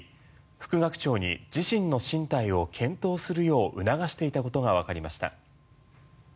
副学長に自身の進退を検討するよう促していたことがわかりました。